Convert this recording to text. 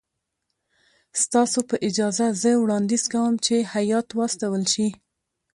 ستاسو په اجازه زه وړاندیز کوم چې هیات واستول شي.